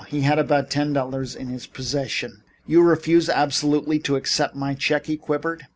He had about ten dollars in his possession. "You refuse, absolutely, to accept my check?" he quavered.